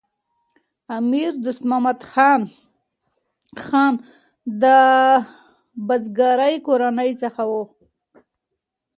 امیر دوست محمد خان د بارکزايي کورنۍ څخه و.